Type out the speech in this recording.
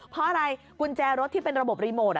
เพราะอะไรกุญแจรถที่เป็นระบบรีโมท